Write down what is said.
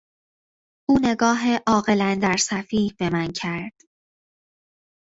او نگاه عاقل اندر سفیه به من کرد.